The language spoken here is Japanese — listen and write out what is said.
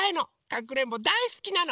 かくれんぼだいすきなの！